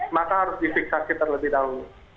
maka harus difiksasi terlebih dahulu